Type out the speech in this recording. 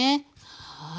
はい。